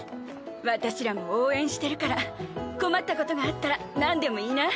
私らも応援してるから困ったことがあったらなんでも言いな。